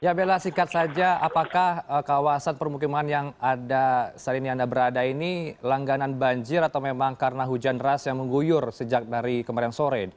ya bella sikat saja apakah kawasan permukiman yang ada saat ini anda berada ini langganan banjir atau memang karena hujan deras yang mengguyur sejak dari kemarin sore